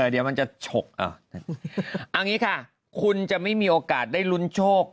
เดี๋ยวมันจะชก